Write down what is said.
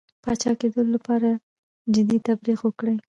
پاچاکېدلو لپاره جدي تبلیغ وکړي.